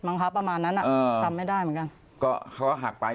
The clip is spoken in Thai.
บังคับประมาณนั้นอ่ะอ่าทำไม่ได้เหมือนกันก็เขาก็หักไป